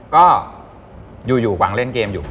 ก็อยู่หวังเล่นเกมอยู่